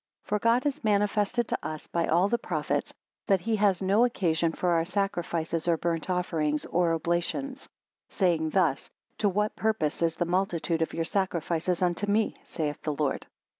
4 For God has manifested to us by all the prophets, that he has no occasion for our sacrifices, or burnt offerings, or oblations: saying thus; To what purpose is the multitude of your sacrifices unto me, saith the Lord.